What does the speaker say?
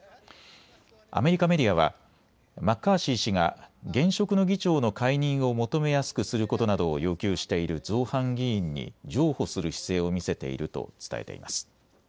アメリカメディアはマッカーシー氏が現職の議長の解任を求めやすくすることなどを要求している造反議員に譲歩する姿勢を見せていると伝えています。